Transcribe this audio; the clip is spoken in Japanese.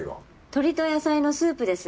鳥と野菜のスープです。